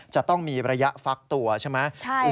จะต้องมีระยะฟักตัวใช่ไหม